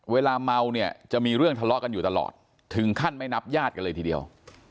เวลาเมาเนี่ยจะมีเรื่องทะเลาะกันอยู่ตลอดถึงขั้นไม่นับญาติกันเลยทีเดียว